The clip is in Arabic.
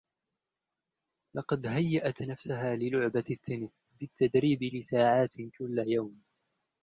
لقد هيأت نفسها للعبة التنس بالتدريب لساعات كل يوم.